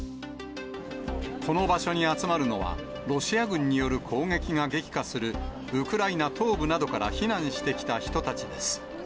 この場所に集まるのは、ロシア軍による攻撃が激化する、ウクライナ東部などから避難してきた人たちです。